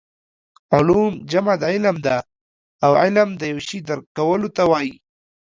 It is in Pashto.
علوم جمع د علم ده او علم د یو شي درک کولو ته وايي